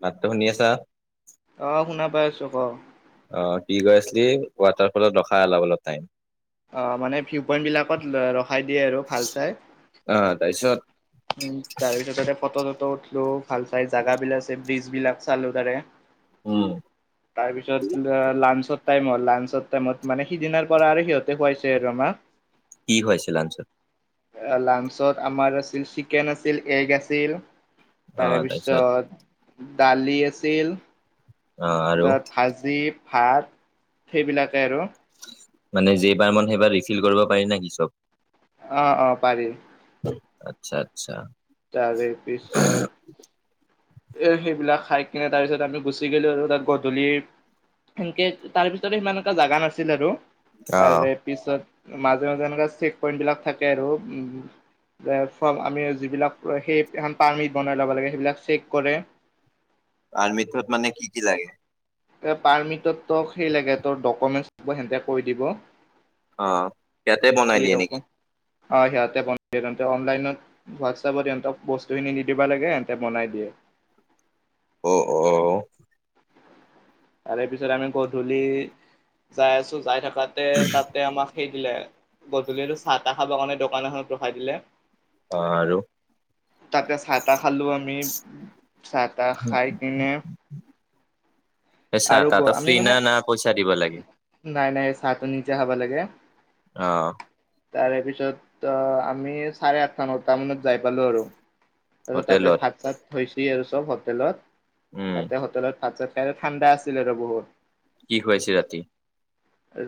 মাতটো শুনি আছা? অহ শুনা পাই আছো ক। যে ৱাটাৰফলত ৰখা অলপ অলপ টাইম। অ মানে ভিউ পইন্ট বিলাকত ৰখাই দিয়ে আৰু ভাল চাই। অ তাৰপিছত উম তাৰ পিছত ততে ফটো চটো উঠিলো, ভাল চাই জাগা বিলাক আছে, ব্ৰিজ বিলাক চালো তাৰে। উম তাৰপিছত লাঞ্চত, টাইম লাঞ্চৰ টাইমত মানে সিদিনাৰ পৰা আৰু সিহঁতে খুৱাইছে আৰু ৰ আমাক। কি হৈছিল লাঞ্চত। লাঞ্চত আমাৰ আছিল চিকেন আছিল, এগ আছিল অ তাৰ তাৰপিছত পিছত দালি আছিল, অ আৰু তাত ভাজি ভাত সেইবিলাকে আৰু। মানে যিবাৰ মানে সেইবাৰ ৰিফিল কৰিব পাৰি নেকি চব? অ অ পাৰি। আচ্ছা আচ্ছা। তাৰে পিছত এ সেইবিলাক, খাই কিনে তাৰ পিছত আমি গুচি গলো আৰু। তাত গধূলি সেনকে তাৰ পিছতে সিমান এটা জাগা নাছিল আৰু অ তাৰে পিছত, মাজে মাজে এনেকা চেক পইন্ট বিলাক থাকে আৰু, উম যে ফম আমি যিবিলাক, সেই এখন পাৰ্মিট বনাই ল'ব লাগে, সেইবিলাক চেক কৰে। পাৰ্মিতটোত মানে কি কি লাগে? পাৰ্মিটত সেই লাগে ডকমেণ্টছৰ হেতে কৈ দিব। অ সিহঁতে বনাই দি দিয়ে নেকি? ডকুমেন্ট অ সিহঁতে বনাই দিয়ে, সিহঁতে অনলাইনত হোৱাটছএপত সিহতক বস্তুখিনি নিদিবা লাগে সিহঁতে বনাই দিয়ে। [inaudible] অ অ। তাৰে পিছত আমি গধূলি যাই আছো যাই থাকো তাতে তাতে আমাক সেই দিলে গধূলিৰ চাহ তাহ খাবৰ কাৰণে দোকান এখনত ৰখাই দিলে। অ আৰু? তাতে চাহ তাহ খালোঁ আমি, চাহ তাহ খাই কিনে চাহ আৰু গ তাত আমি ফ্ৰী মানে না না পইচা দিব লাগে? নাই নাই চাহটো নিজে খাব লাগে। অহ। তাৰে পিছত আমি চাৰে আঠটা নটা মানত যাই পালোঁ আৰু। আৰু তাতে হোটেলত ভাত চাত থৈছে আৰু চব হোটেলত উম তাতে হোটেলত ভাত চাত। খাই ঠাণ্ডা আছিলে ৰহ বহুত। কি খুৱাইছে ৰাতি?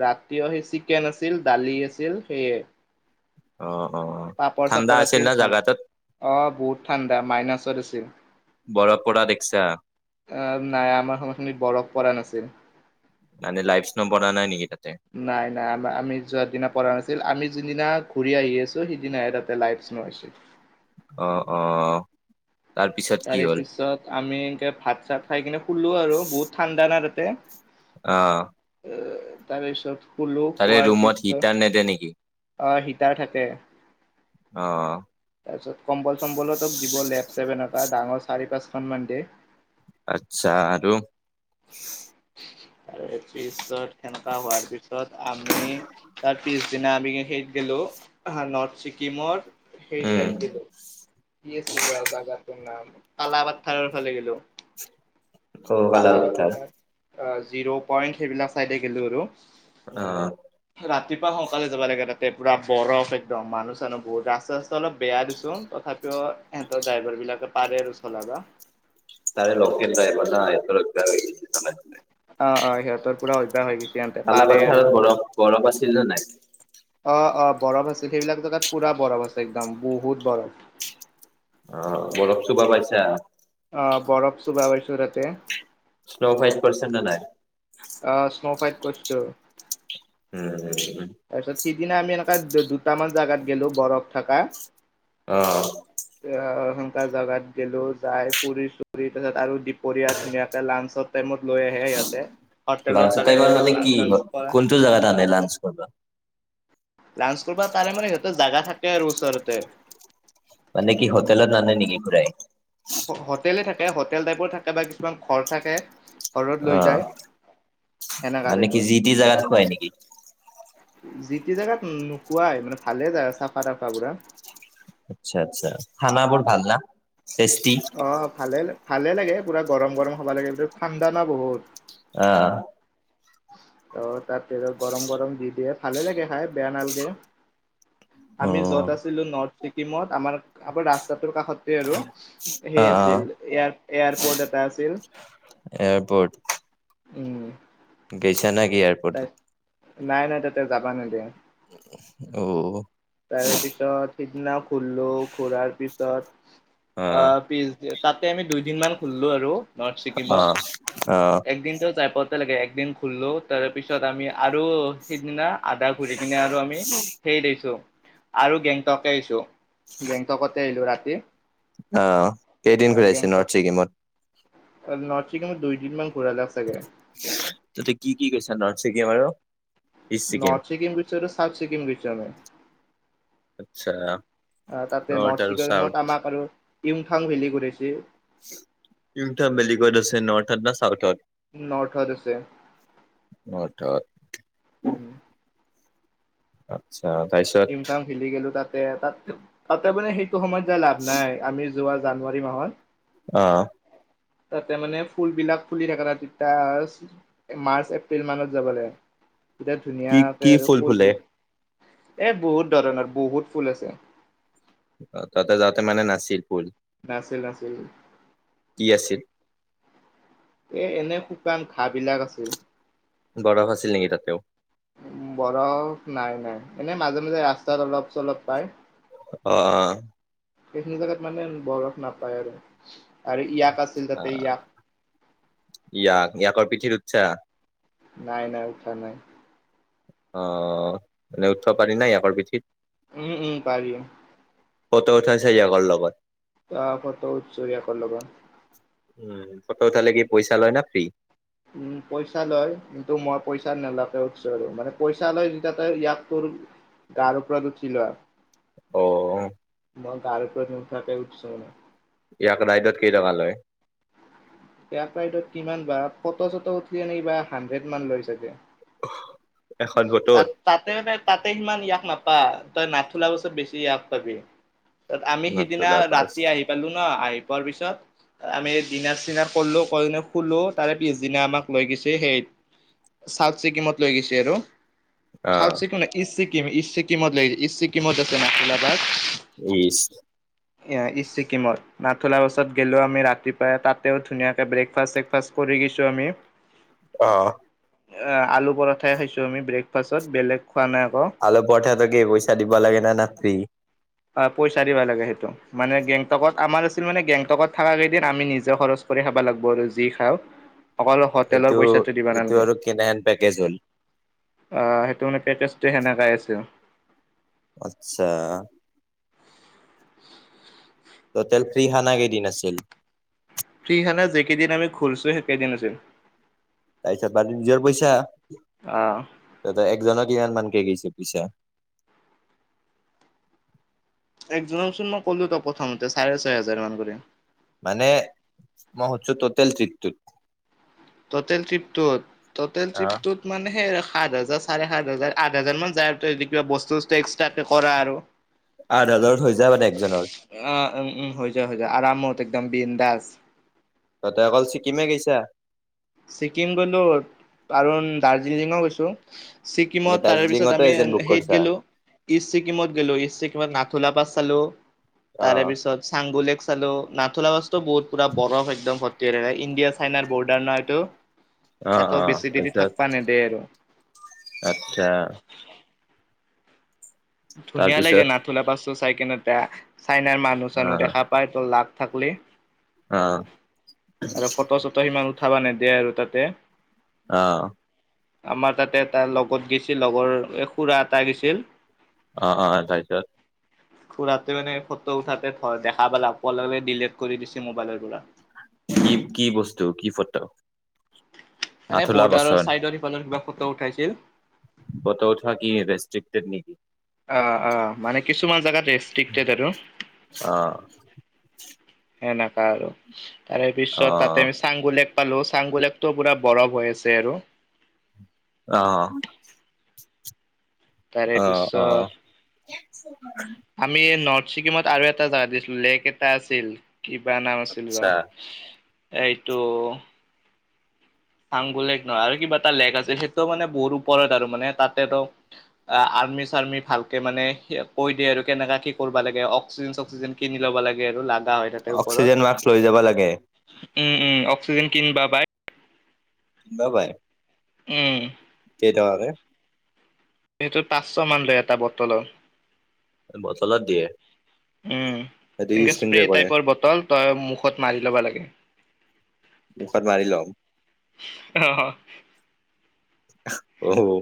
ৰাতিও সেই চিকেন আছিল, দালি আছিল সেয়ে। অ অ পাপৰ ঠাণ্ডা চাপৰ না আছিল ভাজ জাগাটোত অ। বহুত ঠাণ্ডা মাইনাছত আছিল। বৰফ পৰা দেখছা আহ নাই আমাৰ সময়খিনিত বৰফ পৰা নাছিল। মানে লাইফ্ বনোৱা নাই নেকি তাত। নাই নাই আমাৰ আমি যোৱাৰ দিনা পৰা নাছিল। আমি- যোনদিনা ঘূৰি আহি আছোঁ সেইদিনা [unintelligible] অ অ। তাৰপিছত কি তাৰে হ'ল? পিছত আমি এনকে ভাত চাত খাই কিনে হুলোঁ আৰু বহুত ঠাণ্ডা না তাতে। অ। তাৰে চব হোলো তাৰে হোৱাৰ ৰুমত পিছত হিটাৰ নেদে নেকি? আ- সিতাৰ থাকে। অ। তাৰপিছত কম্বল চম্বলতক দিব লেফ্ট ছেভেন এটা ডাঙৰ চাৰি পাঁচখনমান দে। আচ্ছা আৰু। আৰু পিছত সেনেকা হোৱাৰ পিছত আমি তাৰ পিছদিনা আমি সেই- গেলো নৰ্থ ছিকিমৰ- সেই উম। চাইদ গেলো। কি আছিল বা জাগাটোৰ নাম তালাপাথাৰ ফালে গেলোঁ। [unintelligible] জিৰ' পইণ্ট সেইবিলাক চাইডে গেলো আৰু। অ। ৰাতিপুৱা সোনকালে যাব লাগে তাতে পুৰা বৰফ একদম মানুহ চানুহ বহুত। ৰাস্তা চাস্তা অলপ বেয়া দেচোন তথাপি- সিহঁতৰ ড্ৰাইভাৰ বিলাকে পাৰে আৰু চলাব। তাৰে লোকেল টাইপৰ ন বা [unintelligible] অ অ সিহঁতৰ পুৰা অভ্যাস হৈ গৈছে। তেন্তে পাৰে আৰু পাথাৰত বৰফ বৰফ আছিল নে নাই? অ অ। বৰফ আছিল সেইবিলাক জেগাত পুৰা বৰফ আছে একদম বহুত বৰফ। অ বৰফ চুব পাইছা। অ বৰফ চুব পাইছোঁ তাতে। চল'হৈ পাৰ্চেণ্ নে নাই। আহ স্ন' ফাইট কষ্টটো। উম। তাৰপিছত সিদিনা আমি এনেকুৱা দুটামান জাগাত গেলো বৰফ থাকা। অ। এ সেনকা জেগাত গেলো যায় ফুৰি চুৰি তাৰ পাছত আৰু দুপৰীয়া ধুনীয়াকে লাঞ্চত ৰুমত লৈ আহে ইহঁতে। লাঞ্চত এবাৰ মানে কি কোনোটো জেগাত আনে লাঞ্চ কৰিব। লাঞ্চ কৰিব তাৰে মানে সিহঁতৰ জাগা থাকে আৰু ওচৰতে। মানে কি হোটেলত নানে নেকি ঘুৰাই? হোটেলে থাকে হোটেল টাইপৰ থাকে বা কিছুমান ঘৰ থাকে। ঘৰত লৈ অ', যায় সেনেকা মানে কি টাইপৰ। যি টি জাগাত খুৱাই নেকি? যিটি জেগাত নোখোৱায় মানে ভালে জাগা চাফা তাফা পুৰা। আচ্ছা আচ্ছা খানা বোৰ ভাল না? টেষ্টি? অঁ ভালে ভালে লাগে পুৰা গৰম গৰম খাবা লাগে এইটোত ঠাণ্ডা ন বহুত। আহঁ। ত তাৰপিছত গৰম গৰম দি দিয়ে ভালে লাগে খাই বেয়া নালাগে। অ আমি যত আছিলো নৰ্থ ছিকিমত আমাৰ আমাৰ ৰাস্তাটোৰ কাষতে আৰু। অ সেই অ আছিল এ এয়াৰপৰ্ট এটা আছিল এয়াৰপৰ্ট উম। গৈছা নেকি তাত এয়াৰপৰ্টত? নাই নাই তাতে যাবা নেদিয়ে। অঁ তাৰে পিছত সিদিনা ঘুৰিলোঁ ঘূৰাৰ পিছত- অ আ পিছ তাতে আমি দুইদিন মান ঘূৰিলোঁ আৰু। নৰ্থ ছিক্কিমত অ একদিনটো চাইপ একালকে একদিন খুললোঁ তাৰপিছত আমি আৰু সিদিনা। আদা ঘূৰি কিনে আৰু আমি সেই দিছো আৰু গেংটকে আহছো। গেংটকতে আহিলো ৰাতি। আহ কেইদিন ঘুৰাইছে গেংটক নৰ্থ ছিকিমত। নৰ্থ ছিকিমত দুই দিনমান ঘূৰাই লাগেছাগে। তাতেই কি কি গিইছা নৰ্থ ছিকিম আৰু নৰ্থ ছিকিম গইছো আৰু চাওৰ ছিকিম গইছো আচ্ছা। তাতে নৰ্থ আৰু চাউথ চিকঙত আমাক আৰু ইউং থাং ভেলী ঘূৰাইছে কোনটা ভিলিখত আছে নৰ্থত ন চউথৰ্থ। নৰ্থত আছে নৰ্থত উম। আচ্ছা তাৰপিছত ইউমথাং ভেলি গ'লো তাত তাতে তাতে মানে সেইটো সময়ত য লাভ নাই আমি যোৱা জানুৱাৰী মাহত। আহ্ তাতে মানে ফুল বিলাক ফুলি থাকে ন তেতিয়া মাৰ্চ এপ্ৰিল মানত যাব লাগে। তেতিয়া কি কি ধুনীয়াকে আৰু ফুল ফুলে বিল। এ বহুত ধৰণৰ বহুত ফুল আছে। তাতে যাওঁতে মানে নাছিল ফুল নছিল আছিল কি আছিল এ এনে শুকান ঘাঁহ বিলাক আছিল বৰফ আছিল নেকি তাতেও। উ বৰফ নাই নাই এনে মাজে মাজে ৰাস্তাত অলপ চলপ পায়। আহ্ সেইখিনি জাগাত মানে বৰফ নাপায় আৰু আৰু ইয়াক আছিল তাতে ইয়াক ইয়াক ইয়াকৰ পিঠিৰ উঠিছা। নাই নাই উঠাৰ নাই। আহ এনে উঠিব পাৰি নাই ইয়াকৰ পিঠিত। উম উম পাৰিও ফটৌ উঠাছা ইয়াকৰ লগত ত ফটো উঠাছো ইয়াকৰ লগত। উম ফতো উঠালে কি পইচা লয় ন ফ্ৰ্ৰী। উম পইচা লয় কিন্তু মই পইচা নালাকে উঠিছো আৰু মানে পইচা লৈ যেতিয়া তই ইয়াক তোৰ। তাৰ ওপৰত উঠি লোৱা। আহ মই গাৰওপৰত নোটা কে উঠিছো মানে। ইয়াক ৰা ত কিমান বা ফ চটো উঠি ন কিবা হাড্ৰেড মান লৈ চাগে। এখন ফটোত তাত তাতে তাতে সিমান ইয়াস নাপায়। নাপা তই নাথলা অছত বেছি ইয়গ পাবি। আমি সিদিনা নথলা পাঁচ ৰাতি আহি পালো ন আহি পোৱাৰ পিছত আমি। দিনা চিনা কৰলোঁ কৰি খোলো তাৰে পিছদিনা আমাক লৈ গৈছে হেইৰিত। চাউথ ছিকিমত লৈ গৈছে আৰু। অ সাথ ছিকিম ন ইষ্ট ছিকিম ইষ্ট সিকিমত লিছে ইষ্ট ছিকিমত আছেশদাবাদ। ইছ। ইষ্ট ছিকিমত নাথলা পাছত গ'লেও আমি ৰাতিপুৱাই তাতে ধুনীয়াকে ব্ৰেকফাষ্ট চকফাষ্ট কৰি। কৰি গৈছোঁ আমি। অ। আলু পৰঠাই খাইছো আমি ব্ৰেকফাষ্টত বেলেগ। খোৱা নাই আকৌ ভল পঠটো কি পইচা দিবা লাগে না ফিৰি। অ পইচা দিবা লাগে সেইটো মানে গেংটকত আমাৰ আছিল মানে গেংটকত থকা কেইদিন আমি নিজে খৰচ- কৰি খাব লাগিব আৰু যি খাওঁ। অকল হোটেলৰ এইটো পইচাটো দিবা এইটো নালাগে। আৰু কেনেহেন পেকেজ হ'ল সেইটো মানে পেকেজ- সেনে কাই আছে আচ্ছা। হোটেল ফ্ৰী খানা কেইদিন আছিল? ফ্ৰী খানা যি কেইদিন আমি ঘূৰিছো সেইে কেইদিন আছিল। এতিয়া নিজৰ পইচা আহ ত' একজনক ইমান মান- গৈছে পইচা। এজনক চোন মই ক'লো ত' প্ৰথমতে চাৰে ছয় হাজাৰ মান কৰি। মানে মই সোধিছো টোটেল কিমান বুলি? টোটেল ত্ৰিপ তোত টোতেল অ ট্ৰিপ মানে সেই ৰাখ- সাত হাজাৰ চাৰে সাত হাজাৰ, আঠ হাজাৰ মান যায় আৰু ত' যদি কিবা বস্তু চস্তু একস্ট্ৰা কে কৰা আৰু। আঠ হাজাৰত হৈ যায় মানে একজনৰ অ উম' উম' হৈ যায়, হৈ যায় আৰামত একদম বিন্দাচ। [unintelligible] তহতে অকল ছিকিমে গৈছা। ছিক্কিম গলোঁ আৰু দাৰ্জিলিঙও গৈছোঁ। মানে ছিকিমত তাৰে পিছত দাৰ্জিলিঙতো আমি এজেণ্ট বুক সেইত কৰিছা গ'লো ইষ্ট ছিকিমত গলো ইষ্ট ছিকিমত নাথুলা বাছ- পালো তাৰে অ পিছত চাংবোলেছ- চালো। নাথুলা বছতো বহুত পুৰা বৰফ একদম ভৰ্তি হৈ থাকে। ইণ্ডিয়া, চাইনাৰ, বৰ্ডাৰ এইটো। অ', তা'তো অ', বেছি দেৰি তাৰপিছত থাকিব নিদিয়ে আৰু। আচ্ছা ধুনীয়া লাগে তাৰপিছত নাথুলা পাছো চাইকিনে চাইনাৰ মানুহ চানুহ অ', দেখা পায় তা'ত। থাকলে অ', আৰু ফটো চটো সিমান- কথাব নিদিয়ে আৰু তা'তে। অঁহ আমাৰ তা'তে এটা লগত গৈছিল লগৰ খুঢ়া এটা গৈছিল। অ অ তাৰপিছত। খুঢ়াকে মানে ফটো উঠাতে দেখা পালে লগে লগে ডিলিট কৰি দিছে মোবাইলৰ পৰা। কি কি বস্তু কি ফটো? মানে নাথুলা বৰ্ডাৰৰ বাচন চাইডৰ সিফালে কিবা ফটো উঠাইছিল। ফটো উঠা কি ৰেষ্ট্ৰিক্টেড নে কি? অ অ মানে কিছুমান জেগাত ৰেষ্ট্ৰিক্টেড আৰু। অ', সেনেকুৱা আৰু তাৰে পিছত তা'তে অ', আমি চাংগোলেপ- পালো চাংগোলেপতো পুৰা বৰফ হৈ আছে আৰু। অঁহ তাৰে অ অ পিছত আমি নৰ্থ ছিকিমত আৰু এটা জেগাত গৈছিলো লেক এটা আছিল। কিবা নাম আছিল আচ্ছা ৰ' এইটো চাংগুলেক নহয় আৰু কিবা এটা লেক আছে সেইটো মানে বহুত ওপৰত আৰু মানে তাতে টো আৰ্মি চাৰ্মি ভালকে মানে কৈ দিয়ে আৰু কেনেকুৱা কি কৰিব লাগে অক্সিজেন চক্সিজেন কিনি লব লাগে আৰু লা অক্সিজেন মাস্ক লৈ যাব লাগে। উম' উম' অক্সিজেন কিনিব পাই। বা বাই। উম'। টকাকে? সেইটো পাঁচশ মান লয় এটা বটলৰ। বটলত দিয়ে। উম' সেইটো এনেকে ইউজ স্প্ৰে কেনেকে কৰে টাইপৰ বটল তই মুখত মাৰি ল'ব লাগে। মুখত মাৰি লম। হা হা। অঁ।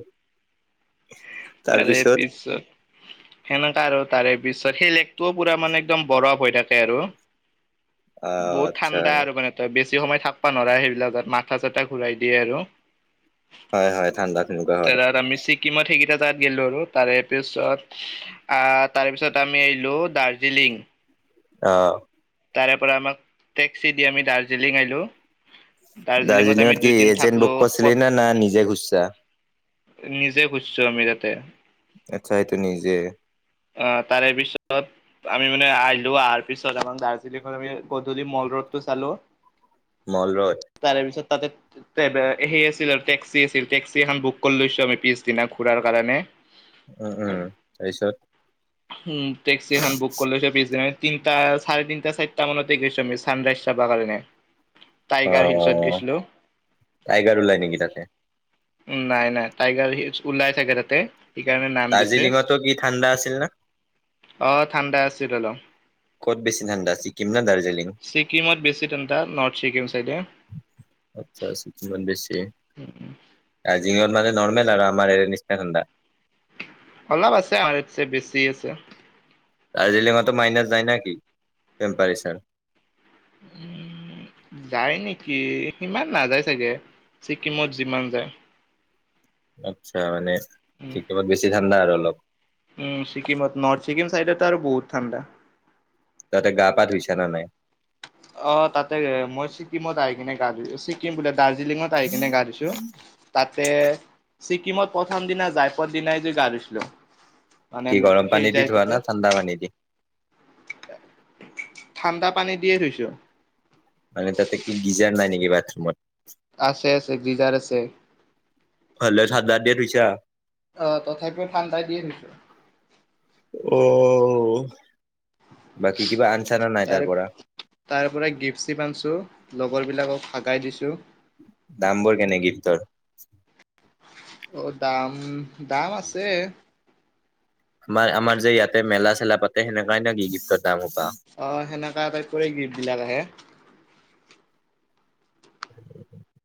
তাৰে পিছত সেনেকা আৰু তাৰে পিছত সেই লেগটোও পুৰা মানে একদম বৰফ হৈ থাকে আৰু। অ', বহুত আচ্ছা ঠাণ্ডা আৰু মানে তই বে ছি সময় থাকবা নোৱাৰা সেইবিলাকত মাথা চাথা ঘূৰাই দিয়ে আৰু। হয় হয় ঠাণ্ডাত তেনেকুৱা হয়। তাত আমি ছিকিমত সেইকেইটা তাত গলো আৰু তাৰে পিছত, আহ তাৰ পিছত আমি আহিলো দাৰ্জিলিং। আহ। তাৰে পৰা আমাক টেক্সি দি আমি দাৰ্জিলিং আহিলোঁ। দাৰ্জিলিঙত আমি কি দুইদিন এজেণ্ট বুক থাকলো কৰিছিলি প নে না নিজে ঘুৰছা? নিজে খুজছো আমি তাতে। আচ্ছা এইটো নিজে? অ তাৰে পিছত আমি মানে আহিলো অহাৰ পিছত আমাৰ দাৰ্জিলিং আমি গধূলি ম ৰ'দ টো চালোঁ। Mall road. তাতে সেই আছিল আৰু টেক্সি আছিল, টেক্সি এখন বুক কৰি লৈছো আমি পিছদিনা ঘূৰাৰ কাৰণে। উম উম। তাৰপিছত? উম টেক্সি এখন বুক কৰি লৈছে পিছদিনা তিনটা চাৰে তিনটা, চাৰিটা মানতে গৈছো আমি চানৰাইজ চাব কাৰণে। অ টাইগাৰ হিলছত গৈছিলো টাইগাৰ ওলাই নেকি তাতে? নাই নাই টাইগাৰ হিলছ ওলাই চাগে তাতে, সেইকাৰণে নাম দিছে। দাৰ্জিলিঙতো কি ঠাণ্ডা আছিল না অ ঠাণ্ডা আছিল অলপ। ক'ত বেছি ঠাণ্ডা ছিকিম নে দাৰ্জিলিং? ছিক্কিম বেচি ঠাণ্ডা, নৰ্থ ছিকিম চাইডে। আচ্ছা ছিকিমত বেছি। আ দিনত মানে নৰ্মেল আৰু আমাৰ ইয়াৰ নিচিনা ঠাণ্ডা? অলপ আছে, আমাৰ ইয়াতকে বেছি আছে। দাৰ্জিলিঙতো মাইনাছ যায় না কি টেম্পাৰেচাৰ? উম। যায় নেকি, সিমান নাযায় চাগে ছিকিমত যিমান যায়। আচ্ছা মানে উম ছিকিমত বেছি ঠাণ্ডা আৰু অলপ? উম ছিকিমত, নৰ্থ ছিকিম চাইডতটো আৰু বহুত ঠাণ্ডা। তাতে গা পা ধুইছা নে নাই? অ তাতে মই ছিকিমত আহি কিনে গা ধুইছো। ছিকিম বোলে দাৰ্জিলিঙত আহি কিনে গা ধুইছোঁ তাত তে ছিক্কিমত প্ৰথম দিনা যায় পুৱাৰ দিনাই যি গা ধুইছিলোঁ। কি মানে গৰম সেই পানী দি যাই ধোৱা না তাতে ঠাণ্ডা পানী দি ঠাণ্ডা পানী দিয়ে ধুইছোঁ। মানে তাতে কি গিজাৰ নাই নেকি বাথৰুমত? আছে -আছে গিজাৰ আছে। ভালে ঠাণ্ডা দিয়ে ধুইছা? অহ, তথাপিও ঠাণ্ডা দিয়ে ধুইছোঁ। ঔহ' [inaudible] তাৰ পৰা -তাৰ পৰা গিফ্ট -শ্বিফ্ট আনছো লগৰবিলাকক ভাগাই দিছোঁ। দামবোৰ কেনে গিফ্টৰ? অহ, দাম-দাম আছে। আমাৰ- আমাৰ যে ইয়াতে মেলা -চেলা পাতে সেনেকাই নেকি গিফ্টৰ দাম সোপা? অহ, সেনেকা টাইপৰে গিফ্ট বিলাক আহে। [inaudible]